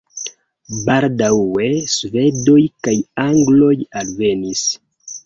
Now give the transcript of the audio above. Baldaŭe svedoj kaj angloj alvenis.